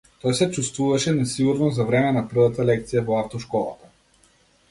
Тој се чувствуваше несигурно за време на првата лекција во автошколата.